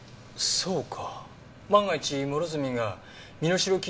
そうか！